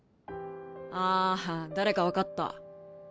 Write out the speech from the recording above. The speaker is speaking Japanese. ああ誰か分かった。